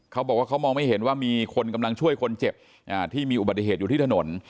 เขาบอกว่าเขามองไม่เห็นว่ามีคนกำลังช่วยคนเจ็บที่มีอุบัติเหตุอยู่ที่ถนน